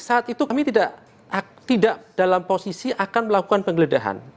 saat itu kami tidak dalam posisi akan melakukan penggeledahan